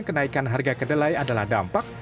kenaikan harga kedelai adalah dampak